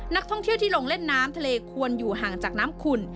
นักท่องเที่ยวที่ลงเล่นน้ำทะเลควรอยู่ห่างจากน้ำขุ่น